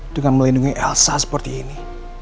dengan melindungi elsa seperti ini